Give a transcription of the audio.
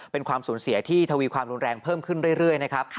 เป็นความสูญเสียที่ทวีความรุนแรงเพิ่มขึ้นเรื่อยนะครับ